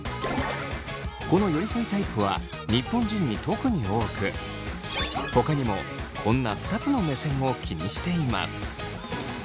この寄り添いタイプは日本人に特に多くほかにもこんな２つの目線を気にしています。